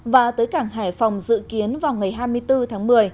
và tới cảng hải phòng dự kiến vào ngày hai mươi bốn tháng một mươi